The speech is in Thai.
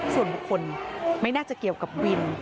ส่วนบุคคลไม่น่าจะเกี่ยวกับวิน